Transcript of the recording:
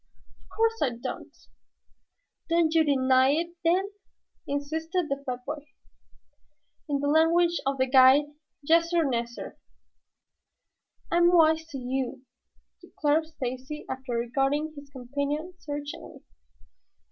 "Of course I don't." "Do you deny it, then?" insisted the fat boy. "In the language of the guide, 'yassir, nassir.'" "I'm wise to you," declared Stacy, after regarding his companion searchingly.